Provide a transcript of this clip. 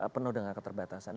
penuh dengan keterbatasan